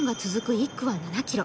１区は７ｋｍ。